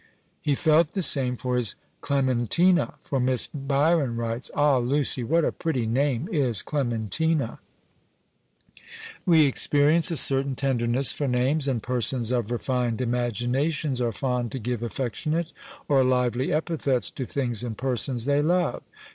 He felt the same for his Clementina, for Miss Byron writes, "Ah, Lucy, what a pretty name is Clementina!" We experience a certain tenderness for names, and persons of refined imaginations are fond to give affectionate or lively epithets to things and persons they love.